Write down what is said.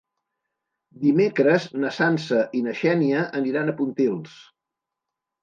Dimecres na Sança i na Xènia aniran a Pontils.